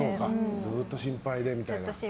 ずっと心配でみたいな。